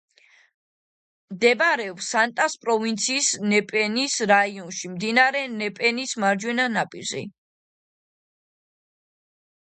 მდებარეობს სანტას პროვინციის ნეპენიის რაიონში, მდინარე ნეპენიის მარჯვენა ნაპირზე.